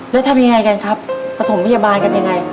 แล้วทำยังไงกันครับประถมพยาบาลกันยังไง